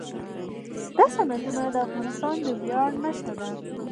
دا صنعتونه د افغانستان د ویاړ نښه ده.